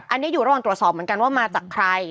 อันนี้อยู่ระหว่างตรวจสอบเหมือนกันว่ามาจากใคร